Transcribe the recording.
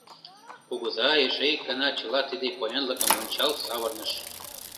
Кугыза эше ик гана чыла тиде поянлыкым ончал савырныш.